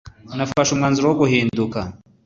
nafashe umwanzuro wo guhinduka